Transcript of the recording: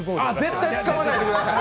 絶対使わないでください。